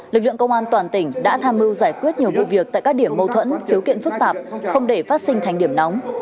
lực lượng công an toàn tỉnh đã tham mưu giải quyết nhiều vụ việc tại các điểm mâu thuẫn khiếu kiện phức tạp không để phát sinh thành điểm nóng